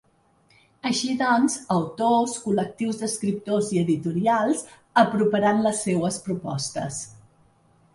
Així doncs, autors, col·lectius d’escriptors i editorials aproparan les seues propostes.